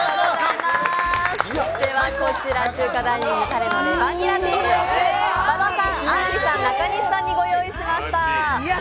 ではこちら、中華ダイニング多礼のレバニラ定食、馬場さん、あんりさん、中西さんにご用意しました！